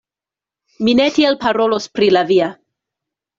Mi ne tiel parolos pri la via.